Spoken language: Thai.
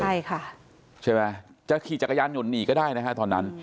ใช่ค่ะใช่ไหมจะขี่จักรยานยนต์หนีก็ได้นะฮะตอนนั้น